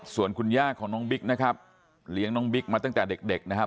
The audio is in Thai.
ส่วนคุณย่าของน้องบิ๊กนะครับเลี้ยงน้องบิ๊กมาตั้งแต่เด็กนะครับ